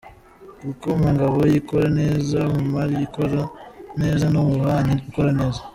Kuko mu ngabo ikora neza, mu mari ikora neza no mububanyi ikora neza !